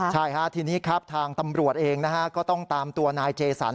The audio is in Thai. ใช่ฮะทีนี้ครับทางตำรวจเองนะฮะก็ต้องตามตัวนายเจสัน